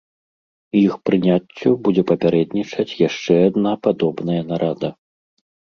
Іх прыняццю будзе папярэднічаць яшчэ адна падобная нарада.